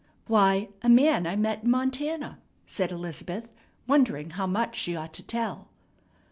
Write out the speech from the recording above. "Why, a man I met in Montana," said Elizabeth, wondering how much she ought to tell.